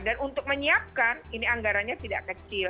dan untuk menyiapkan ini anggarannya tidak kecil